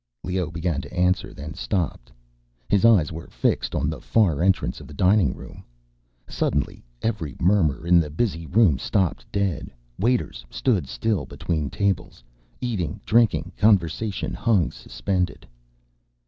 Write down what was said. Leoh began to answer, then stopped. His eyes were fixed on the far entrance of the dining room. Suddenly every murmur in the busy room stopped dead. Waiters stood still between tables. Eating, drinking, conversation hung suspended.